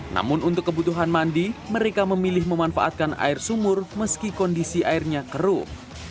namun untuk kebutuhan mandi mereka memilih memanfaatkan air sumur meski kondisi airnya keruh